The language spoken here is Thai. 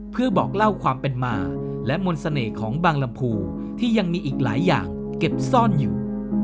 เพื่อบอกเล่าความเป็นมาและมนต์เสน่ห์ของบางลำภูที่ยังมีอีกหลายอย่างเก็บซ่อนอยู่